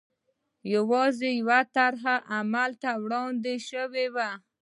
یوازې یوه طرحه عمل ته وړاندې شوه.